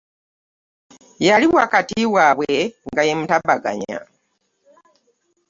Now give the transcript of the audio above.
Yali wakati waabwe nga ye mutabaganya.